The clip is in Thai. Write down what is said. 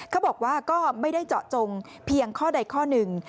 เขาบอกว่าก็ไม่ได้เจาะจงเพียงข้อใดข้อหนึ่ง